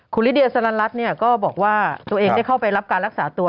คุณลิเดียสลันรัฐเนี่ยก็บอกว่าตัวเองได้เข้าไปรับการรักษาตัว